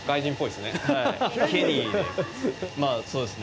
そうですね